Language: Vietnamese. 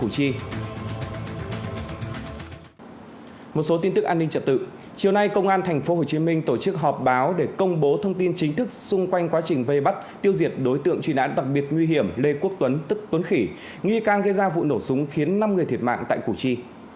chiều nay công an tp hcm tổ chức họp báo để công bố thông tin chính thức xung quanh quá trình vây bắt tiêu diệt đối tượng truy nãn đặc biệt nguy hiểm lê quốc tuấn tức tuấn khỉ nghi can gây ra vụ nổ súng khiến năm người thiệt mạng tại củ chi